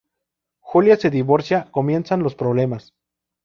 Julia se divorcia, comienzan los problemas.